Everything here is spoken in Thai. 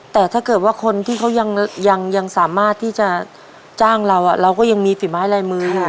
แต่ถ้าเกิดว่าคนที่เขายังสามารถที่จะจ้างเราเราก็ยังมีฝีไม้ลายมืออยู่